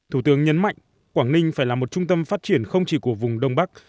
thủ tướng nhấn mạnh quảng ninh phải là một trung tâm phát triển không chỉ của vùng đông bắc